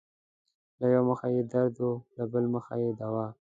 له يؤه مخه يې درد وي له بل مخه يې دوا